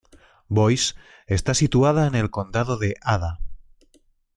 Boise está situada en el condado de Ada.